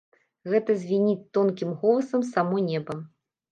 Гэта звініць тонкім голасам само неба.